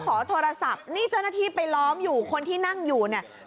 ขอโทรศัพท์นี่เจ้าหน้าที่ไปล้อมอยู่คนที่นั่งอยู่เนี่ย